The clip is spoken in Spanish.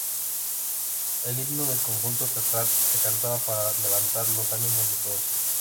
El himno del conjunto teatral se cantaba para levantar los ánimos de todos.